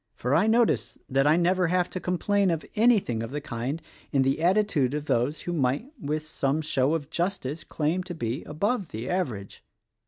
For I notice that I never have to complain of anything of the kind in the attitude of those who might with some show of justice claim to be above the average.